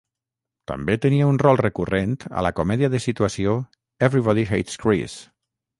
També tenia un rol recurrent a la comèdia de situació "Everybody Hates Chris".